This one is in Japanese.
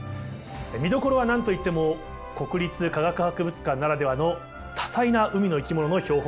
見どころは何と言っても国立科学博物館ならではの多彩な海の生き物の標本たちです。